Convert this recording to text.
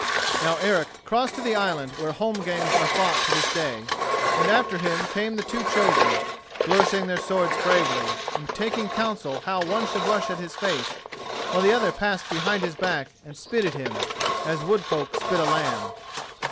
Now Eric crossed to the island where holmgangs are fought to this day, and after him came the two chosen, flourishing their swords bravely, and taking counsel how one should rush at his face, while the other passed behind his back and spitted him, as woodfolk spit a lamb.